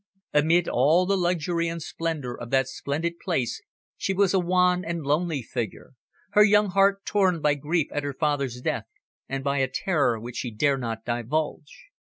Amid all the luxury and splendour of that splendid place she was a wan and lonely figure, her young heart torn by grief at her father's death and by a terror which she dare not divulge.